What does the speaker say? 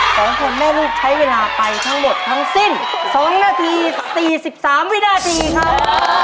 สองคนแม่ลูกใช้เวลาไปทั้งหมดทั้งสิ้นสองนาทีสี่สิบสามวินาทีครับ